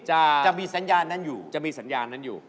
จะมีสัญญาณนั้นอยู่จะมีสัญญาณนั้นอยู่